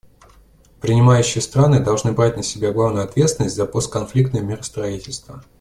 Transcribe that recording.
Принимающие страны должны брать на себя главную ответственность за постконфликтное миростроительство.